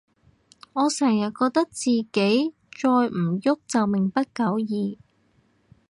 我成日覺得自己再唔郁就命不久矣